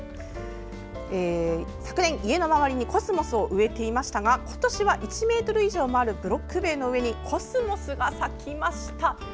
昨年、家の周りにコスモスを植えていましたが今年は１ｍ以上もあるブロック塀にコスモスが咲きました。